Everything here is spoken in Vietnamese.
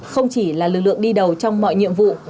không chỉ là lực lượng đi đầu trong mọi nhiệm vụ